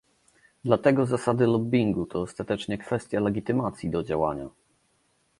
Dlatego zasady lobbingu to ostatecznie kwestia legitymacji do działania